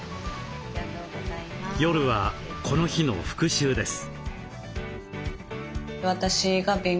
夜はこの日の復習です。